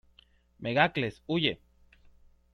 Megacles huye.